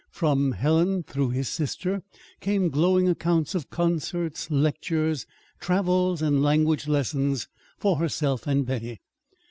From Helen, through his sister, came glowing accounts of concerts, lectures, travels, and language lessons for herself and Betty.